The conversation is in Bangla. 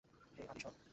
হেই আদি সর।